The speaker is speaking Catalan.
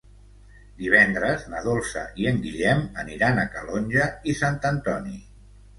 Divendres na Dolça i en Guillem aniran a Calonge i Sant Antoni.